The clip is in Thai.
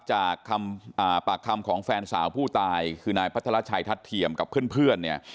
จากปรากรรมของแฟนสาวผู้ตายคือนายพระธราชัยธัฏเทียมกับเพื่อน